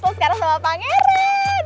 puskaran sama pangeran